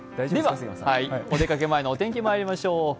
お出かけ前のお天気、まいりましょう。